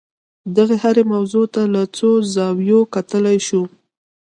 دغې هرې موضوع ته له څو زاویو کتلای شو.